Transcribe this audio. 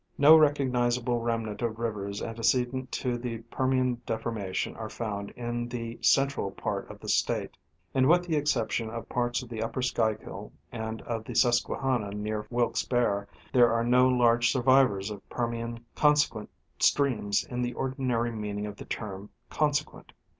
ISTo recognizable remnant of rivers antecedent to the Per mian deformation are found in the central part of the State ; and with the exception of parts of the upper Schuylkill and of the Sus quehanna near Wilkes Barre, there are no large survivors of Per mian consequent streams in the ordinary meaning of the term " consequent."